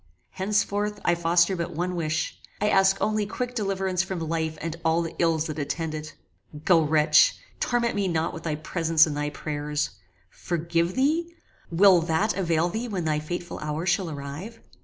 Henceforth I foster but one wish I ask only quick deliverance from life and all the ills that attend it. Go wretch! torment me not with thy presence and thy prayers. Forgive thee? Will that avail thee when thy fateful hour shall arrive?